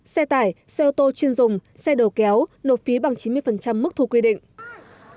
xe tải xe ô tô chuyên dùng xe đầu kéo nộp phí bằng chín mươi mức thu quy định